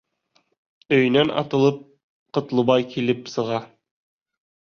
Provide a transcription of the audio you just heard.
Өйөнән атылып Ҡотлобай килеп сыға.